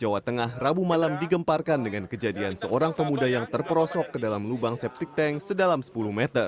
ada teriakan manusia minta tolong gitu